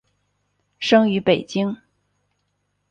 生于北京。